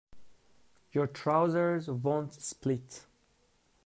Your trousers won't split.